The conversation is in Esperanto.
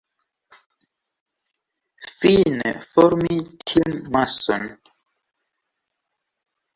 Fine formi tiun mason.